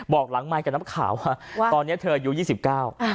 บอกหลังไม้กับน้ำข่าวว่าว่าตอนเนี้ยเธออยู่ยี่สิบเก้า